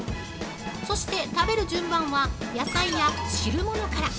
そして、食べる順番は野菜や汁物から。